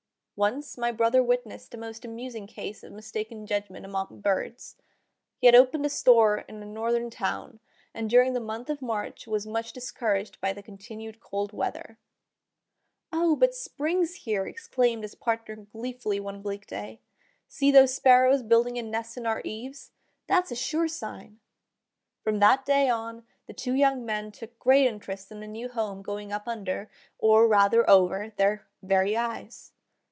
Once my brother witnessed a most amusing case of mistaken judgment among birds. He had opened a store in a northern town, and during the month of March was much discouraged by the continued cold weather. "O! but spring's here!" exclaimed his partner gleefully one bleak day. "See those sparrows building a nest in our eaves? That's a sure sign!" From that day on the two young men took great interest in the new home going up under—or rather over—their very eyes.